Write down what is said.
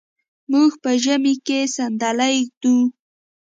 موږ په ژمي کې صندلی ږدو.